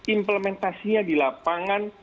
implementasinya di lapangan